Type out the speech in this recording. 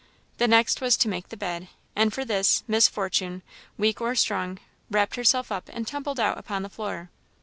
The next was to make the bed; and for this Miss Fortune, weak or strong, wrapped herself up and tumbled out upon the floor.